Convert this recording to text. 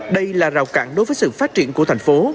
đây là rào cản đối với sự phát triển của thành phố